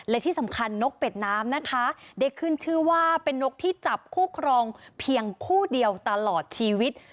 และที่สำคัญนกเป็ดน้ำนะคะได้ขึ้นชื่อว่าเป็นนกที่จับคู่ครองเพียงคู่เดียวตลอดชีวิต